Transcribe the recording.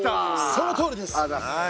そのとおりです。